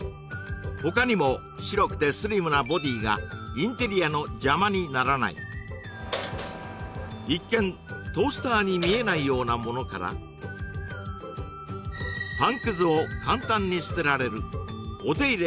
他にも白くてスリムなボディーがインテリアの邪魔にならない一見トースターに見えないようなものからパンくずを簡単に捨てられるお手入れ